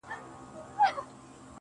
زه هم خطا وتمه.